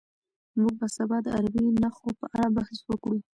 موږ به سبا د عربي نښو په اړه بحث وکړو.